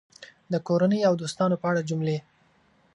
د کورنۍ او دوستانو په اړه جملې